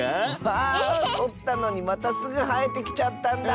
あそったのにまたすぐはえてきちゃったんだ！